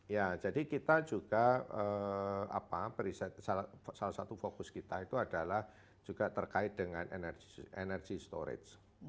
ya jadi kita juga salah satu fokus kita itu adalah juga terkait dengan energi storage